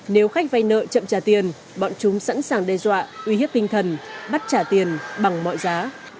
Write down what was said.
nếu khách vay nợ chậm trả tiền bọn chúng sẵn sàng đe dọa uy hiếp tinh thần bắt trả tiền bằng mọi giá